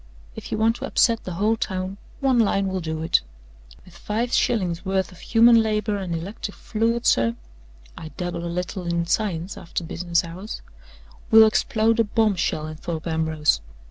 If you want to upset the whole town, one line will do it. With five shillings' worth of human labor and electric fluid, sir (I dabble a little in science after business hours), we'll explode a bombshell in Thorpe Ambrose!"